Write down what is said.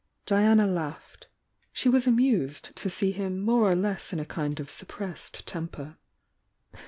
Diana laughed. She was amused to see him more or less m a kind of suppressed temper.